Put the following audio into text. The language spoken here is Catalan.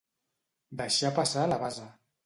Deixar passar la basa.